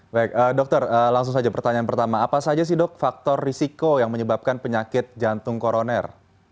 baik dokter langsung saja pertanyaan pertama apa saja sih dok faktor risiko yang menyebabkan penyakit jantung koroner